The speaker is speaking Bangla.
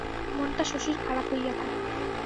মনটা শশীর খারাপ হইয়া থাকে।